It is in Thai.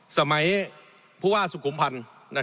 ผู้ว่าสุขุมพันธ์